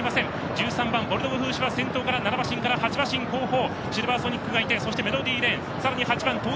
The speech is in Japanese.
１３番ボルドグフーシュは先頭から７馬身後方。